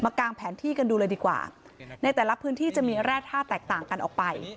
กางแผนที่กันดูเลยดีกว่าในแต่ละพื้นที่จะมีแร่ท่าแตกต่างกันออกไป